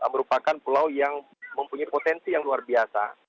merupakan pulau yang mempunyai potensi yang luar biasa